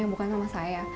yang bukan sama saya